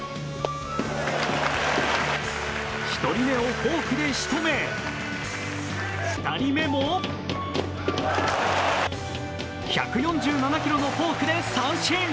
１人目をフォークでしとめ、２人目も１４７キロのフォークで三振。